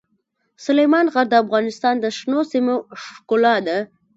سلیمان غر د افغانستان د شنو سیمو ښکلا ده.